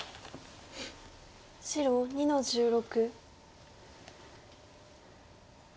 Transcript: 白２の十六。